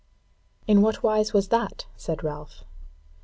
"In what wise was that?" said Ralph.